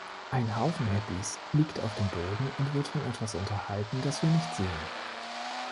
Ein Haufen Hippies liegt auf dem Boden und wird von etwas unterhalten, das wir nicht sehen.